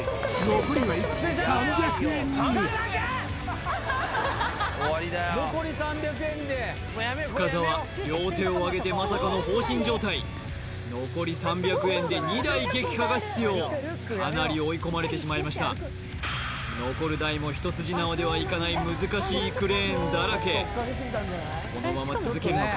一気に深澤両手をあげてまさかの放心状態残り３００円で２台撃破が必要かなり追い込まれてしまいました残る台も一筋縄ではいかない難しいクレーンだらけこのまま続けるのか？